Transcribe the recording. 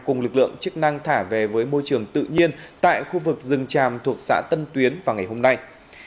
cùng lực lượng chức năng thả về với môi trường tự nhiên tại khu vực rừng tràm thuộc xã tân tuyến vào ngày hôm nay